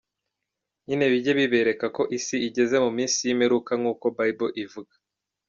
Nyine bijye bibereka ko isi igeze mu minsi y’imperuka nkuko Bible ivuga.